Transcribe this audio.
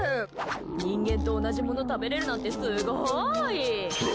人間と同じもの食べれるなんてすごーい！